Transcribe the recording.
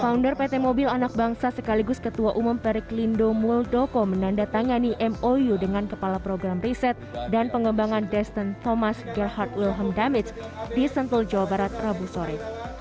founder pt mobil anak bangsa sekaligus ketua umum periklindo muldoko menandatangani mou dengan kepala program riset dan pengembangan destin thomas gerhad wilham damits di sentul jawa barat rabu sore